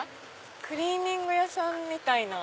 クリーニング屋さんみたいな。